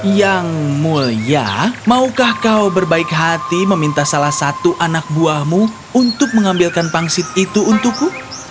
yang mulia maukah kau berbaik hati meminta salah satu anak buahmu untuk mengambilkan pangsit itu untukku